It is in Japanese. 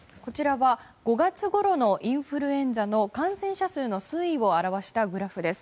５月ごろのインフルエンザの感染者数の推移を表したグラフです。